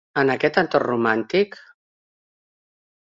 En aquest entorn romàntic.